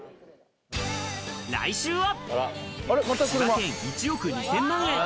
来週は。